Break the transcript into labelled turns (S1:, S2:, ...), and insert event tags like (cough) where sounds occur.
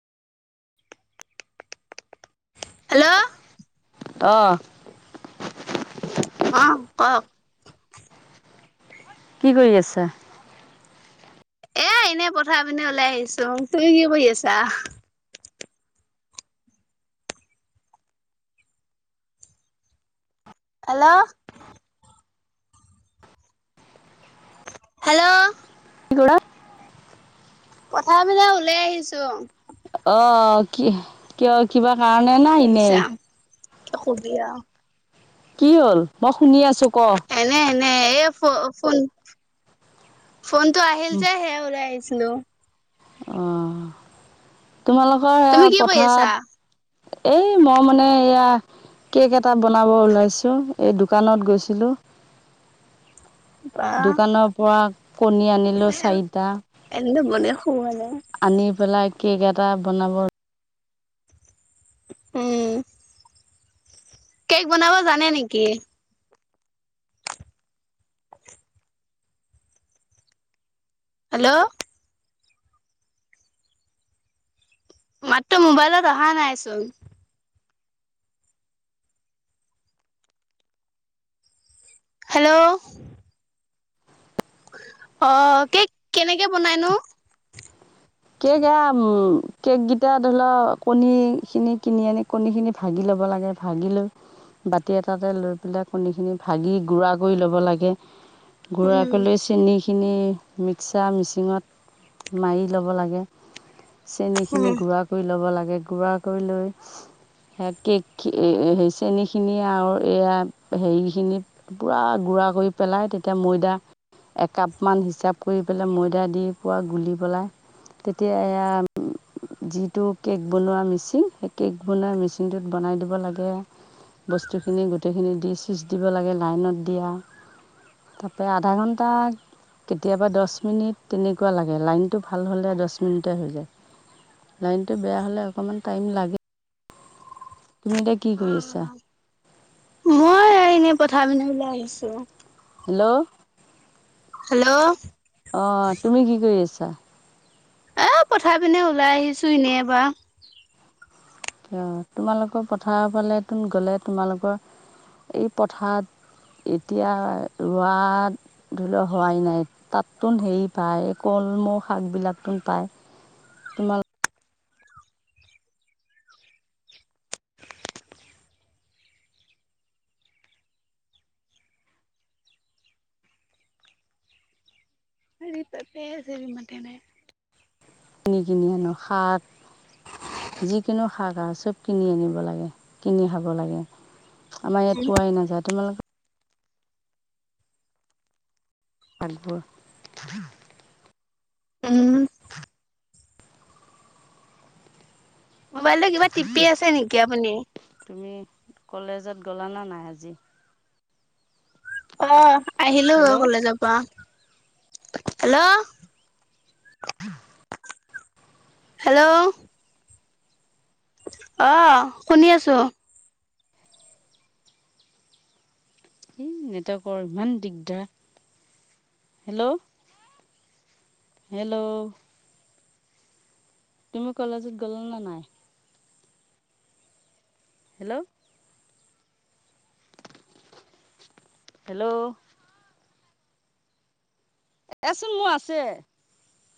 S1: Hello
S2: অ
S1: অ কওক
S2: কি কৰি আছা?
S1: এ এনেই পথাৰ পিনে ওলাই আহিছো। তু কি কৰি আছা? হেল্ল' হেল্ল'
S2: কি কলা?
S1: পথাৰ পিনে ওলাই আহিছো অ
S2: অঅঅ কি আহ্ কিয় কিবা কাৰণে না এনেই
S1: খবিঅ (unintelligible)
S2: কি হল মই শুনি আছো ক?
S1: এনে এনে এই ফ ফোন ফোনতটো আহিল যে সে ওলাই আহিছো হেল্ল'
S2: অ তোমালোকৰ
S1: তুমি
S2: সেয়া
S1: কি কৰি আছা
S2: পথাৰত এই মই মানে এয়া কেক এটা বনাব ওলাইছো এই দোকানত গৈছিলো।
S1: (inaudible) বা
S2: দোকানৰ পৰা কণী আনিলোঁ চাৰিটা
S1: এনেতো বনে শুৱা নাই
S2: আনি পেলাই কেক এটা বনাব
S1: উম কেক বনাব জানে নেকি? হেল্ল' মাতটো মোবাইলত অহা নাইচোন হেল্ল' অহ কেক কেনেকে বনাইনো?
S2: কেক এয়া উম কেক গিটা ধৰিলও কণী খিনি কিনি আনি কণী খিনি ভাগি ল'ব (unintelligible) লাগে ভাগি লৈ বাতি এটাতে লৈ পেলাই কণী খিনি ভাগি গুড়া কৰি ল'ব লাগে গুৰাাক
S1: উম
S2: লৈ চেনিখিনি, মিক্সাৰ মিচিঙত মাৰি ল'ব লাগে চেন খিনি
S1: উম
S2: গুড়া কৰি লব লাগে, গুড়া কৰি লৈ সে কেক সেই, চেনী খিনি আৰু, এয়া হেৰি খিনি পুৰা গু পুৰা কৰি পেলাই তেতিয়া ময়দা একাপ মান হিচাপ কৰি পেলাই ময়দা দি পোৱা গুলি পেলাই তেতিয়া এয়া যিটো কেক বনোৱা মেচিন, সেই কেক বনোৱা মেচিনটোত বনাই দিব লাগে বস্তুখিনি গোটেইখিনি দি ছিচ দিব লাগে, লাইনত দিয়া তাৰাপৰা আধা ঘণ্টা কেতিয়াবা দহ মিনিট তেনেকুৱা লাগে, লাইনতটো ভাল হলে দচ পছ মিনিটে হৈ যায়, লাইনটো বেয়া হ'লে অকণমান টাইম লাগে তুমি এতিয়া কি কৰি
S1: অ
S2: আছা?
S1: কথা পিন্ধি ওলাই আহিছো।
S2: হেল্ল'
S1: হেল্ল'
S2: অ' তুমি কি কৰি আছা?
S1: এ পঠাই পিনে ওলাই আহিছো এনেই বা
S2: অ', তোমালোকৰ পথাৰ ফালে তোন গলে তোমালোকৰ এই পথাৰত এতিয়া ৰোৱা ধৰি লও হোৱাই নাই, তাততোন হেৰি পায় ক মৌ শাকবিলাকত পায়, তোমালোক
S1: আৰুৰি ত প চৰিম তেনে
S2: কিনি কিনি আনো শাক যিকোনো শাক আৰু চব কিনি আনিব লাগে, কিনি খাব লাগে। আমাৰ ইয়াত পোৱাই নাযায়, তোমালোকে আগব
S1: উম, মোবাইলৰ কিবা টিপি আছে নেকি আপুনি?
S2: তুমি কলেজত গ'লাানে নাই আজি?
S1: অ', আহিলো
S2: হেল্ল'
S1: কলেজৰ পৰা। হেল্ল' হেল্ল' অ', শুনি আছো।
S2: এই নটকৰ ইমান দিগদাৰ। হেল্ল' হেল্ল' তুমি কলেজত গ'ল না নাই? হেল্ল' হেল্ল' এচোন মোৰ আছে